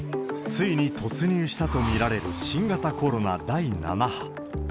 ついに突入したと見られる新型コロナ第７波。